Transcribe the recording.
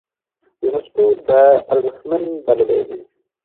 يونسکو دا ارزښتمن بللی دی.